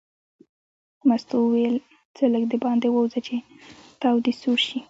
مستو وویل ځه لږ دباندې ووځه چې تاو دې سوړ شي.